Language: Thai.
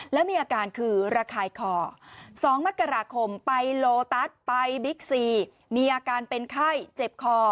แล้วมีอาการคือระคายคอ๒มกราคมไปโลตัสไปบิ๊กซีมีอาการเป็นไข้เจ็บคอ